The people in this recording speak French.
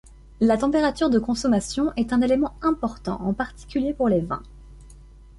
La température de consommation est un élément important en particulier pour les vins.